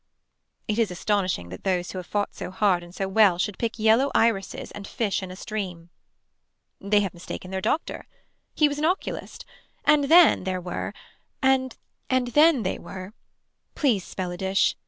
It is astonishing that those who have fought so hard and so well should pick yellow irises and fish in a stream. They have mistaken their doctor. He was an oculist. And then there were And then they were Please spell a dish.